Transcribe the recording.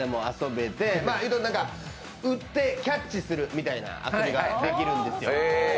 打ってキャッチするみたいな遊びができるんですよ。